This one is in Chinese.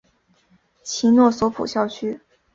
其诺索普校区。